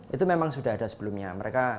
itu memang sudah ada sebelumnya